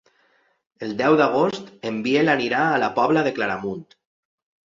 El deu d'agost en Biel anirà a la Pobla de Claramunt.